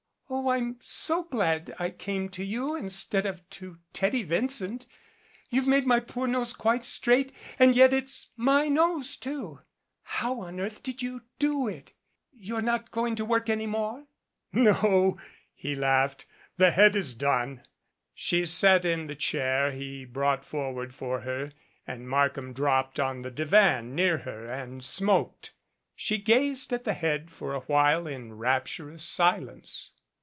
Oh, I'm so glad I came to you instead of to Teddy Vincent. You've made my poor nose quite straight and yet it's my nose, too. How on earth did you do it ? You're not going to work any more ?" "No " he laughed, "the head is done." She sat in the chair he brought forward for her and Markham dropped on the divan near her and smoked. She gazed at the head for a while in rapturous silence.